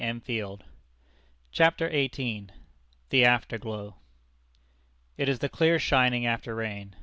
15, 1866. CHAPTER XVIII. THE AFTERGLOW. It is the clear shining after rain.